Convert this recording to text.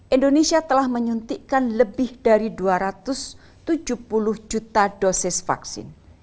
indonesia telah menyuntikkan lebih dari dua ratus tujuh puluh juta dosis vaksin